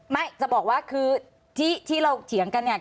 ไม่จะบอกว่าคือที่เราเถียงกันเนี่ย